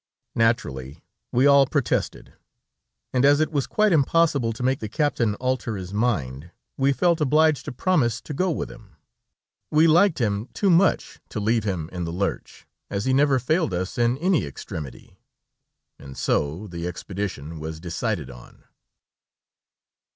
Naturally we all protested and as it was quite impossible to make the captain alter his mind, we felt obliged to promise to go with him. We liked him too much to leave him in the lurch, as he never failed us in any extremity; and so the expedition was decided on.